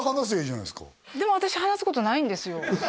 でも私話すことないんですよ